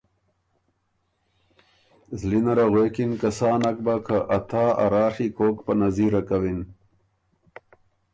زلی نره غوېکِن که سا نک بۀ که ا تا ا راڒی کوک په نظیره کوِن۔